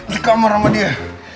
suka merama dia